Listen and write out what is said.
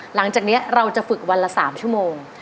หลังจากนี้เราจะฝึกวันละ๓ชั่วโมง